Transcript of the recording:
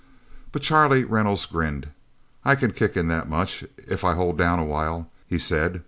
But Charlie Reynolds grinned. "I can kick in that much, if I hold down a while," he said.